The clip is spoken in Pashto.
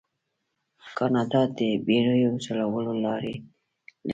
کاناډا د بیړیو چلولو لارې لري.